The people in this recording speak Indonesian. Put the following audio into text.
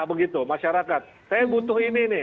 begitu masyarakat saya butuh ini nih